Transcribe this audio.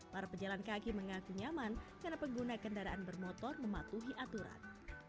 para pejalan kaki mengaku nyaman karena pengguna kendaraan bermotor mematuhi aturan